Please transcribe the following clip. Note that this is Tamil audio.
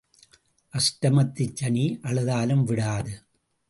அஷ்டமத்துச் சனி அழுதாலும் விடாது.